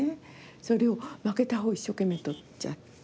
それを負けたほうを一生懸命撮っちゃって。